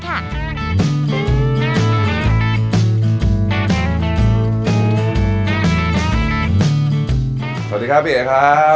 สวัสดีครับพี่เอ๋ครับ